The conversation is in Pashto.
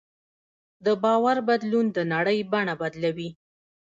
د باور بدلون د نړۍ بڼه بدلوي.